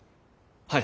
はい。